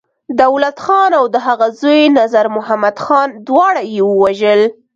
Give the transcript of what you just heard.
دولت خان او د هغه زوی نظرمحمد خان، دواړه يې ووژل.